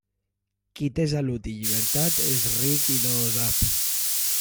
Qui té salut i llibertat és ric i no ho sap.